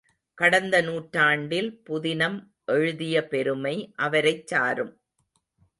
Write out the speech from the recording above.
கடந்த நூற்றாண்டில் புதினம் எழுதிய பெருமை அவரைச் சாரும்.